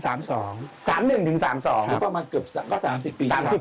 แล้วก็มาเกือบก็๓๐ปีครับ